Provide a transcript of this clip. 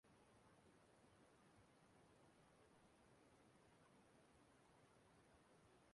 Maazị Ubong kwuru na o mere ihe ahụ n'eziokwu